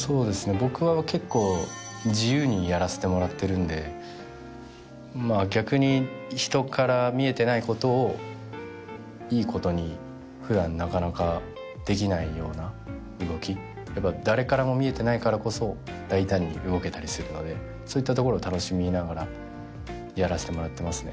僕は結構自由にやらせてもらってるんでまあ逆に人から見えてないことをいいことにふだんなかなかできないような動き誰からも見えてないからこそ大胆に動けたりするのでそういったところを楽しみながらやらせてもらってますね